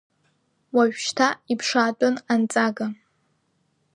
Уажәшьҭа иԥшаатәын анҵага.